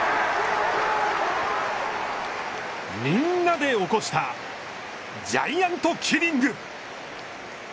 みんなで起こしたジャイアントキリング。